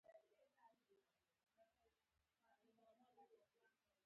ایا تاسو کوم څه ته اړتیا لرئ؟